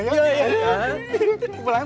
terima kasih mas